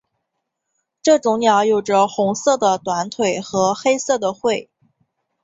这种鸟有着红色的短腿和黑色的喙。